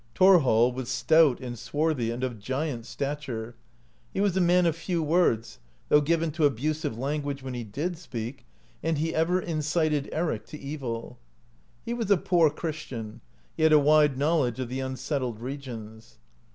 Thorhall was stout and swarthy, and of giant stature; he was a man of few words, though given to abusive language when he did speak, and he ever incited Eric to evil. He was a poor Christian; he had a wide knowledge of the unsettled regions.